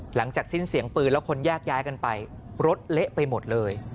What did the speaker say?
หลังจากสิ้นเสียงปืนแล้วคนแยกย้ายกันไปรถเละไปหมดเลย